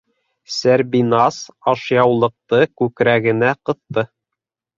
- Сәрбиназ ашъяулыҡты күкрәгенә ҡыҫты.